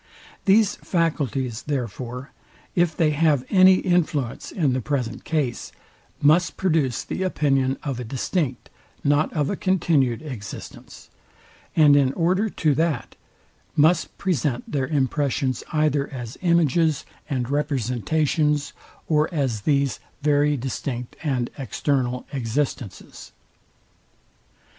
These faculties, therefore, if they have any influence in the present case, must produce the opinion of a distinct, not of a continued existence; and in order to that, must present their impressions either as images and representations, or as these very distinct and external existences.